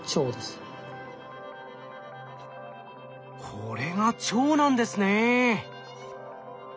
これが腸なんですね。